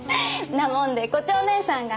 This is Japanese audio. なもんで胡蝶姐さんが。